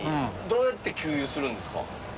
どうやって給油するんですか？